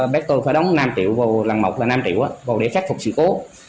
bác tôi phải đóng năm triệu vào lần mọc là năm triệu vào để khắc phục sự cố